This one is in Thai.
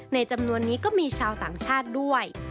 จำนวนนี้ก็มีชาวต่างชาติด้วย